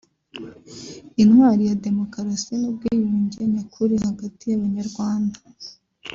intwali ya demokarasi n’ubwiyunge nyakuli hagati y’abanyarwanda